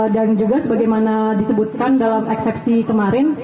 dan juga sebagaimana disebutkan dalam eksepsi kemarin